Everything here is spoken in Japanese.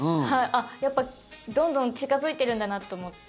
やっぱりどんどん近付いてるんだなと思って。